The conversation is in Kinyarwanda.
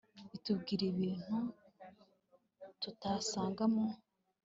itubwira ibintu tutasanga mu